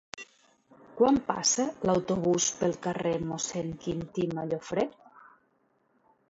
Quan passa l'autobús pel carrer Mossèn Quintí Mallofrè?